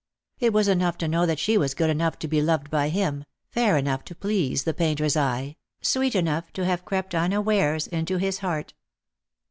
It was enough to know that she was good enough to be loved by him, fair enough to please the painter's eye, sweet enough to have crept unawares into his heart.